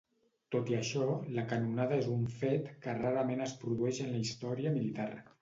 Tot i això, la canonada és un fet que rarament es produeix en la història militar.